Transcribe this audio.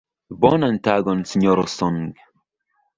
Bonan tagon Sinjoro Song.